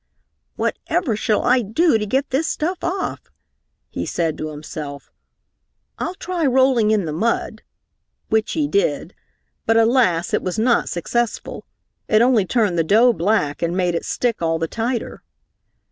"Whatever shall I do to get this stuff off?" he said to himself. "I'll try rolling in the mud," which he did. But alas! it was not successful. It only turned the dough black and made it stick all the tighter.